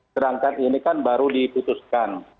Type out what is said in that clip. sedangkan ini kan baru diputuskan